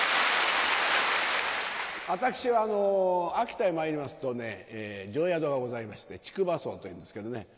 私はあの秋田へまいりますとね定宿がございまして竹馬荘というんですけどね。